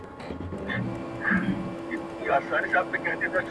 چي د غرب ارزښتونه په بشپړ ډول نه